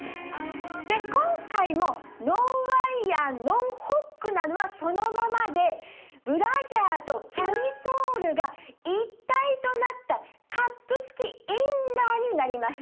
今回もノンワイヤーノンホックなのはそのままでブラジャーとキャミソールが一体となったカップ付きインナーになりました。